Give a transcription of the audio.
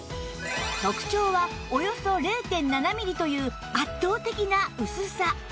特徴はおよそ ０．７ ミリという圧倒的な薄さ